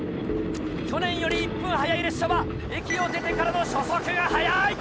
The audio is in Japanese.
去年より１分早い列車は駅を出てからの初速が速い！